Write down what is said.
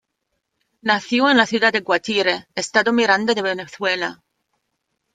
Nació en la ciudad de Guatire, Estado Miranda de Venezuela.